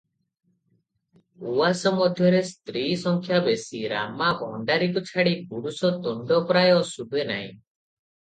ଉଆସ ମଧ୍ୟରେ ସ୍ତ୍ରୀ ସଂଖ୍ୟା ବେଶି, ରାମା ଭଣ୍ଡାରିକୁ ଛାଡ଼ି ପୁରୁଷ ତୁଣ୍ଡ ପ୍ରାୟ ଶୁଭେ ନାହିଁ ।